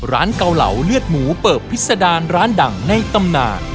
ร้านเก่าเหล่าเลือดหมูเปิบพิจาดรรภ์ดังในตำนาน